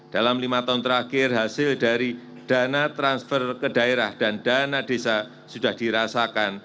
dalam lima tahun terakhir hasil dari dana transfer ke daerah dan dana desa sudah dirasakan